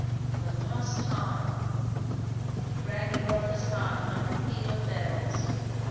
For the last time! It rang in Rotha's heart like a peal of bells.